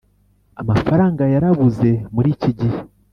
amafaranga yarabuze muri iki gihe